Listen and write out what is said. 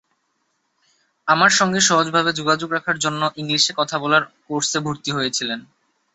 আমার সঙ্গে সহজভাবে যোগাযোগ রাখার জন্য ইংলিশে কথা বলার কোর্সে ভর্তি হয়েছিলেন।